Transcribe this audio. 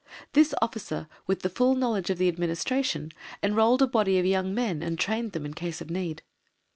This officer, with the full knowledge of the Administration, enrolled a body of young men and trained them in case of need.